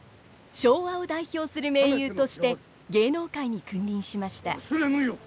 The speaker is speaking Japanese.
昭和を代表する名優として芸能界に君臨しました。